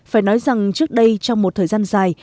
phải nói rằng trước đây trong một thời gian dài